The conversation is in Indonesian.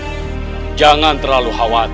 hai jangan terlalu khawatir